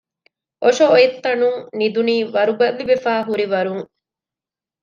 އޮށޮއޮތްތަނުން ނިދުނީ ވަރުބަލިވެފައިހުރިވަރުން